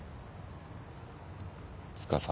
つかさ。